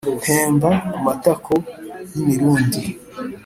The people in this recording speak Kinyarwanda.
ntemba ku matako n’ imirundi,